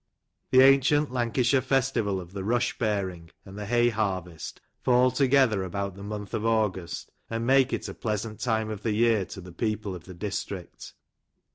The ancient Lancashire festival of the " Rushbearing," and the hay harvest, fall together about the month of August, and make it a plea sant time of the year to the people of the district.